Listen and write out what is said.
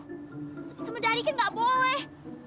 tapi semudah dikit ga boleh